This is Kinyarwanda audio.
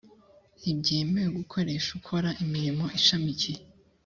ntibyemewe gukoresha ukora imirimo ishamikiye